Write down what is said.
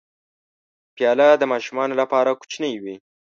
پیاله د ماشومانو لپاره کوچنۍ وي.